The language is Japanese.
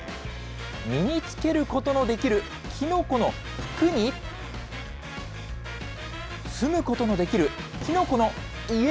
身につけることのできるキノコの服に、住むことのできるキノコの家？